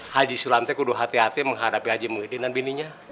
haji sulam teh kudu hati hati menghadapi haji muhyiddin dan bininya